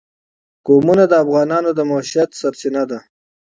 قومونه د افغانانو د معیشت سرچینه ده.